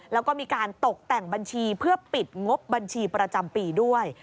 แล้วก็มีการตกแต่งบัญชีเพื่อปิดงบบัญชีประจำปีด้วย